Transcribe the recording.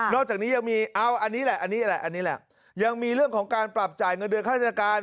นอกจากนี้ยังมีเอาอันนี้แหละยังมีเรื่องของการปรับจ่ายเงินเดือนคราศจริยาการ